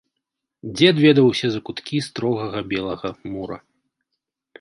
Дзед ведаў усе закуткі строгага белага мура.